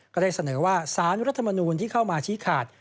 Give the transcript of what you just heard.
ก็ได้เสนอว่าสารรัฐมนูลที่เข้ามาชี้ขาด